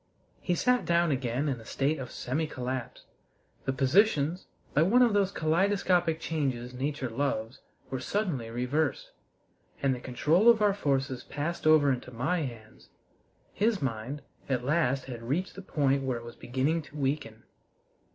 He sat down again in a state of semi collapse. The positions, by one of those kaleidoscopic changes nature loves, were suddenly reversed, and the control of our forces passed over into my hands. His mind at last had reached the point where it was beginning to weaken.